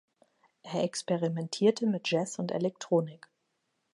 Er experimentierte mit Jazz und Elektronik.